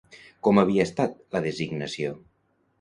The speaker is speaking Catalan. Com havia estat la designació?